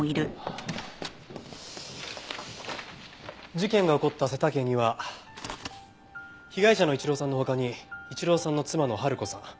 事件が起こった瀬田家には被害者の一郎さんの他に一郎さんの妻の春子さん。